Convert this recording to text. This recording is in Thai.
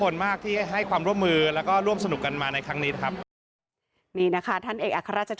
แล้วก็ร่วมสนุกกันมาในครั้งนี้ครับ